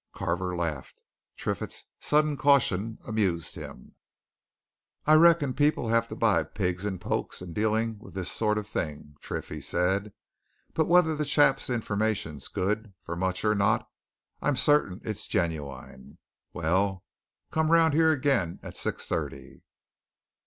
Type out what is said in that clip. Carver laughed. Triffitt's sudden caution amused him. "I reckon people have to buy pigs in pokes in dealing with this sort of thing, Triff," he said. "But whether the chap's information's good for much or not, I'm certain it's genuine. Well, come round here again at six thirty."